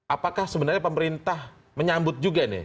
apakah sebenarnya pemerintah menyambut juga nih